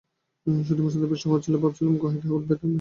সত্যিই মুশলধারে বৃষ্টি হচ্ছিল, ভাবছিলাম গুহায় কী ঘটে থাকবে।